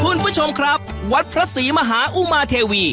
คุณผู้ชมครับวัดพระศรีมหาอุมาเทวี